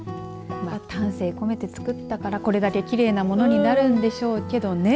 丹精込めてつくったからこれだけきれいなものになるんでしょうけどね。